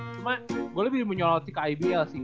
cuman gua lebih mau nyolotin ke ibl sih